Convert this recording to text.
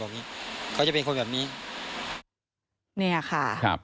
เนี้ยค่ะ